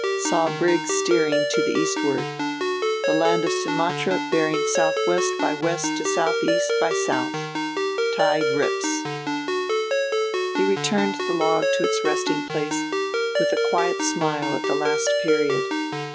Saw brig steering to the Eastward. The land of Sumatra bearing SW by W to SE by S. Tied rips." He returned the log to its resting place with a quiet smile at the last period.